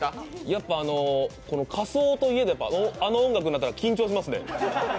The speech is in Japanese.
やっぱ仮想といえど、あの音楽鳴ると緊張しますね。